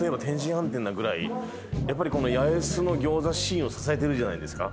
やっぱりこの八重洲の餃子シーンを支えてるんじゃないですか。